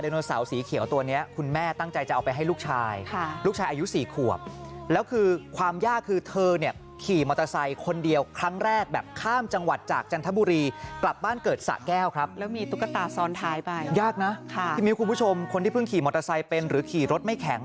แล้วกันแม่อย่างนี้